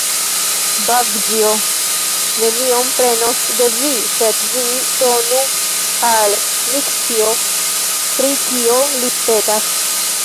Bazĉjo nenion prenos de vi, sed vi donu al Nikĉjo, pri kio li petas.